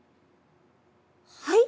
はい？